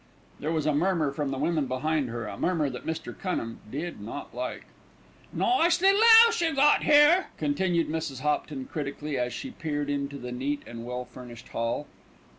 There was a murmur from the women behind her, a murmur that Mr. Cunham did not like. "Nice little 'ouse you got 'ere," continued Mrs. Hopton critically, as she peered into the neat and well furnished hall.